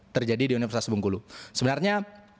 terjadi di universitas bengkulu sebenarnya